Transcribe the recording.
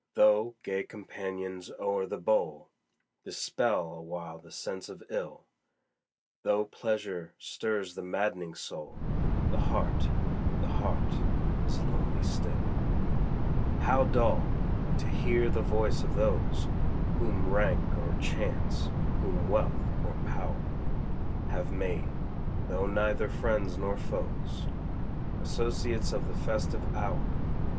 Though gay companions o'er the bowl Dispel awhile the sense of ill; Though pleasure stirs the maddening soul, The heart the heart is lonely still. How dull! to hear the voice of those Whom rank or chance, whom wealth or power, Have made, though neither friends nor foes, Associates of the festive hour.